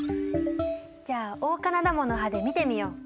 じゃあオオカナダモの葉で見てみよう。